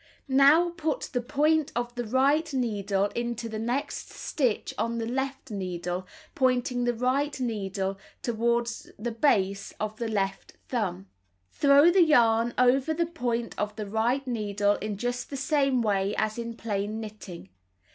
181 Cut 2 Now put the point of the right needle into the next stitch on the left needle pointing the right needle toward the base of the left thumb. Cut Throw the yarn over the point of the right needle in just the same way as in plain knitting.